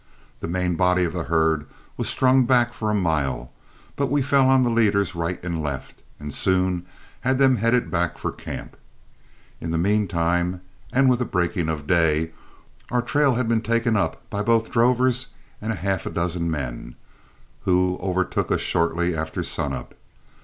The main body of the herd was strung back for a mile, but we fell on the leaders right and left, and soon had them headed back for camp. In the mean time, and with the breaking of day, our trail had been taken up by both drovers and half a dozen men, who overtook us shortly after sun up.